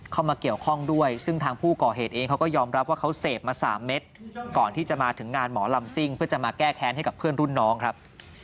เข้ามาเกี่ยวข้องด้วยซึ่งทางผู้เกาะเหตุเองเขาก็ยอมรับว่าเขาเสพมา๓เม็ด